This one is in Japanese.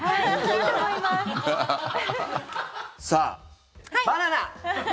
さあ、バナナ！